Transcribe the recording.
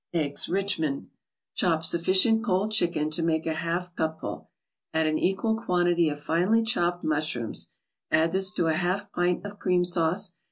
EGGS RICHMOND Chop sufficient cold chicken to make a half cupful, add an equal quantity of finely chopped mushrooms, add this to a half pint of cream sauce.